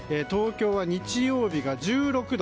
東京は日曜日が１６度。